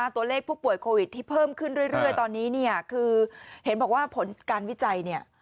ตัวเลขผู้ป่วยโควิดที่เพิ่มขึ้นเรื่อยตอนนี้เนี่ยคือเห็นบอกว่าผลการวิจัยเนี่ย